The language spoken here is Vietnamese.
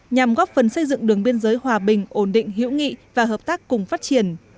nhằm góp phần xây dựng đường biên giới hòa bình ổn định hữu nghị và hợp tác cùng phát triển